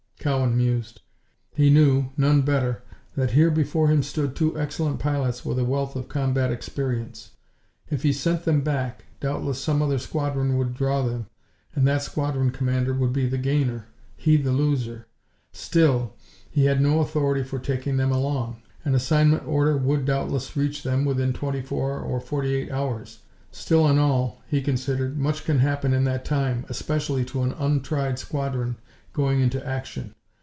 Cowan mused. He knew, none better, that here before him stood two excellent pilots with a wealth of combat experience. If he sent them back, doubtless some other squadron would draw them, and that squadron commander would be the gainer, he the loser. Still, he had no authority for taking them along. An assignment order would doubtless reach them within twenty four or forty eight hours. Still and all, he considered, much can happen in that time especially to an untried squadron going into action.